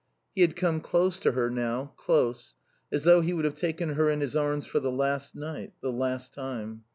He had come close to her now, close, as though he would have taken her in his arms for the last night, the last time.